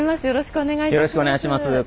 よろしくお願いします。